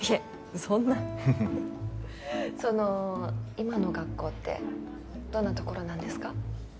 そんなその今の学校ってどんなところなんですか？